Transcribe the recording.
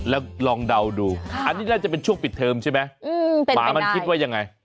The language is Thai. แล้วลองเดาดูอันนี้น่าจะเป็นช่วงปิดเทอมใช่ไหมหมามันคิดว่ายังไง